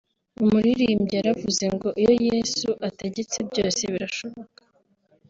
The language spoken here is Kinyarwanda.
umuririmbyi yaravuze ngo iyo Yesu ategetse byose birashoboka